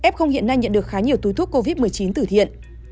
f hiện nay nhận được khá nhiều túi thuốc covid một mươi chín tử thiện